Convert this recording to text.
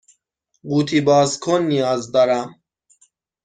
قوطی باز کن نیاز دارم.